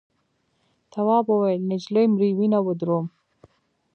تواب وویل نجلۍ مري وینه ودروم.